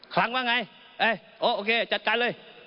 ครั้งว่าไงโอเคจัดการเลย